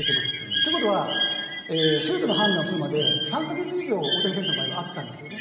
ということは手術の判断をするまで３か月以上大谷選手の場合はあったんです。